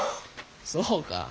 そうか。